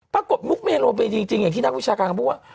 ปรากฏมุกเมลงลงไปจริงอย่างที่นักวิชาการพูดว่า